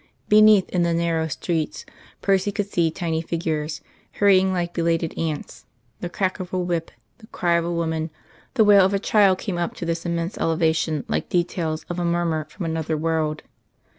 Beneath in the narrow streets Percy could see tiny figures, hurrying like belated ants; the crack of a whip, the cry of a woman, the wail of a child came up to this immense elevation like details of a murmur from another world.